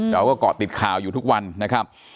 เราก็เกาะติดข่าวอยู่ทุกวันนะครับ